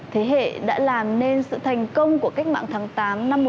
thế hệ đã làm nên sự thành công của cách mạng tháng tám năm một nghìn chín trăm bốn mươi năm